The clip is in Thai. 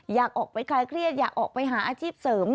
อยากออกไปคลายเครียดอยากออกไปหาอาชีพเสริม